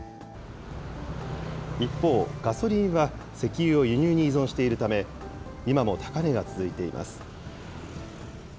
一方、ガソリンは石油を輸入に依存しているため、今も高値が続いています。